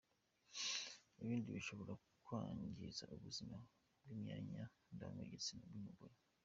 Ibindi bishobora kwangiza ubuzima bw’imyanya ndangagitsina y’umugore.